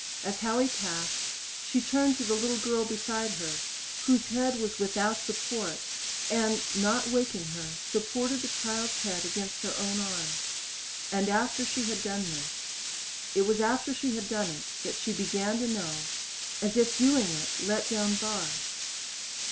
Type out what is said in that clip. As Howie passed, she turned to the little girl beside her whose head was without support and, not waking her, supported the child's head against her own arm. And after she had done this it was after she had done it that she began to know, as if doing it let down bars.